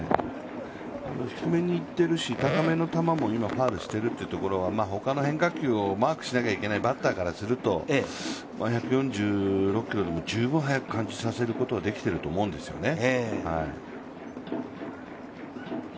低めにいってるし、高めの球も今、ファウルしているということはほかの変化球をマークしなければいけないバッターからすると１４６キロでも十分速く感じさせることはできていると思うんですよね。